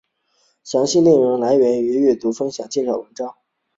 详细内容和来源请阅读分别的介绍文章。